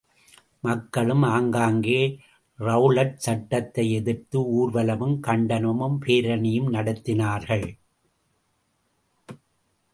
மக்களும் ஆங்காங்கே ரெளலட் சட்டத்தை எதிர்த்து ஊர்வலமும், கண்டனமும், பேரணியும் நடத்தினார்கள்.